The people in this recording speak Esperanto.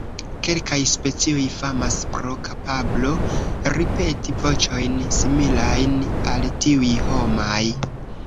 Kelkaj specioj famas pro kapablo ripeti voĉojn similajn al tiuj homaj.